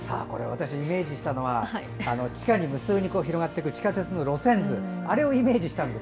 私、イメージしたのは地下に無数に広がっていく地下鉄の路線図イメージしました。